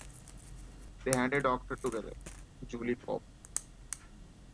They had a daughter together, Julie Cobb.